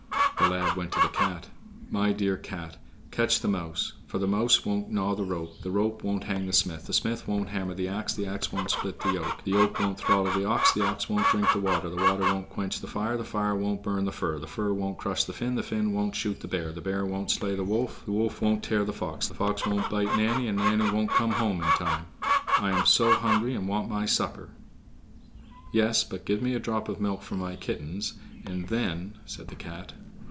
The lad went to the cat. "My dear cat, catch the mouse, for the mouse won't gnaw the rope, the rope won't hang the smith, the smith won't hammer the ax, the ax won't split the yoke, the yoke won't throttle the ox, the ox won't drink the water, the water won't quench the fire, the fire won't burn the fir, the fir won't crush the Finn, the Finn won't shoot the bear, the bear won't slay the wolf, the wolf won't tear the fox, the fox won't bite Nanny, and Nanny won't come home in time. I am so hungry and want my supper." "Yes, but give me a drop of milk for my kittens and then—" said the cat.